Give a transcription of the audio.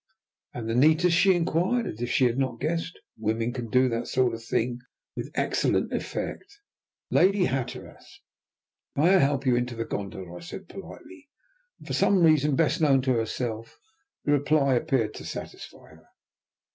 "And the neatest?" she inquired, as if she had not guessed. Women can do that sort of thing with excellent effect. "Lady Hatteras, may I help you into the gondola?" I said politely, and for some reason, best known to herself, the reply appeared to satisfy her.